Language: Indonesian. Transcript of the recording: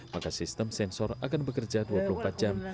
maka sistem sensor akan bekerja dua puluh empat jam